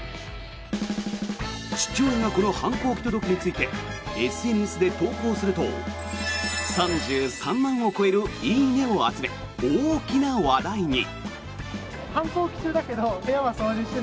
父親がこの反抗期届についてＳＮＳで投稿すると３３万を超える「いいね」を集め大きな話題に。